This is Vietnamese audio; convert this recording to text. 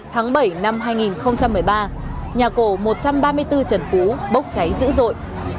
tháng bảy năm hai nghìn một mươi ba nhà cổ một trăm ba mươi bốn trần phú bốc cháy dữ dội